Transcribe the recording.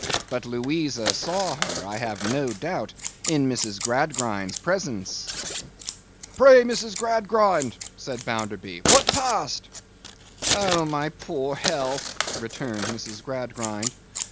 But Louisa saw her, I have no doubt, in Mrs. Gradgrind's presence.' 'Pray, Mrs. Gradgrind,' said Bounderby, 'what passed?' 'Oh, my poor health!' returned Mrs. Gradgrind.